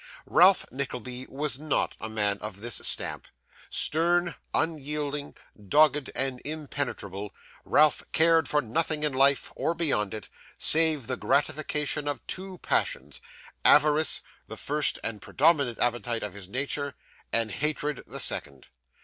Ralph Nickleby was not a man of this stamp. Stern, unyielding, dogged, and impenetrable, Ralph cared for nothing in life, or beyond it, save the gratification of two passions, avarice, the first and predominant appetite of his nature, and hatred, the second.